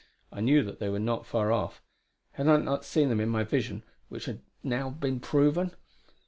I knew that they were not far off; had I not seen them in my vision, which had now been proven.